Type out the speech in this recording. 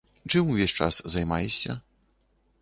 Чым увесь час займаешся?